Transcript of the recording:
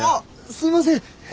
すいません！